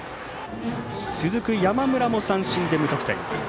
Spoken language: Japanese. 続く山村も三振で無得点。